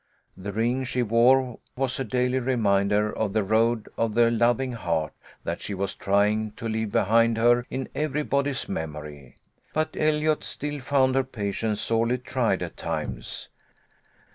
The ring she wore was a daily reminder of the Road of the Loving Heart that she was trying to leave behind her in everybody's memory. But Eliot still found her patience sorely tried at times.